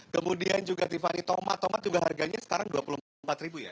kemudian juga tiffany tomat tomat juga harganya sekarang rp dua puluh empat ya